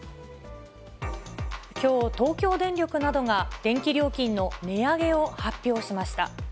きょう、東京電力などが電気料金の値上げを発表しました。